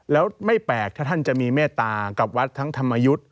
แล้วไม่แปลกถ้าท่านจะมีเมตตากับวัดทั้งธรรมยุทธ์